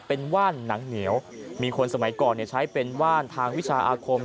เป็นว่านหนังเหนียวมีคนสมัยก่อนใช้เป็นว่านทางวิชาอาคม